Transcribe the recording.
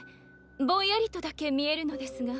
ぼんやりとだけ見えるのですが。